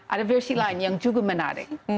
ada versi lain yang cukup menarik